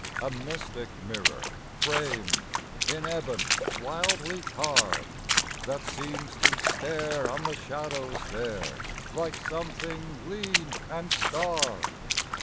A mystic mirror, framed In ebon, wildly carved, That seems to stare on the shadows there, Like something lean and starved.